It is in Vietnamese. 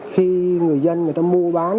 khi người dân người ta mua bán